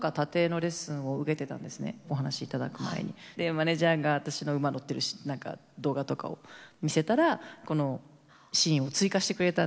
マネージャーが私の馬乗ってる動画とかを見せたらこのシーンを追加してくれたんですよ。